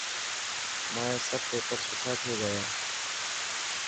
مانيا سڀ پيپر سٺا ٿي گيا.